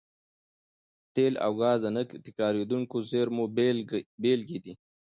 تېل او ګاز د نه تکرارېدونکو زېرمونو بېلګې دي.